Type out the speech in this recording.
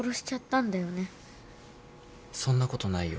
そんなことないよ。